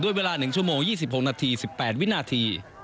เวลา๑ชั่วโมง๒๖นาที๑๘วินาที